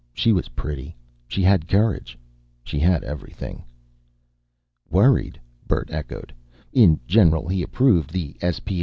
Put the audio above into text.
She was pretty. She had courage. She had everything. "Worried?" Bert echoed. In general he approved the S.P.